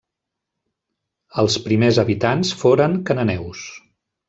Els primers habitants foren cananeus.